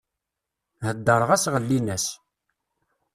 Heddreɣ-as ɣellin-as.